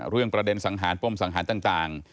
เรื่องประเด็นสังหารป้มสังหารต่าง